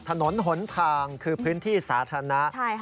ถนนหนทางคือพื้นที่สาธารณะ